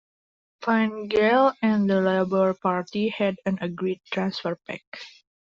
Fine Gael and the Labour Party had an agreed transfer pact.